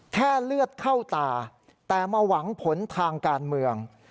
เลือดเข้าตาแต่มาหวังผลทางการเมือง